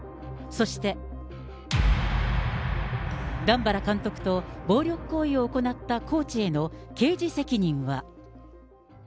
そして、段原監督と暴力行為を行ったコーチへの刑事責任は。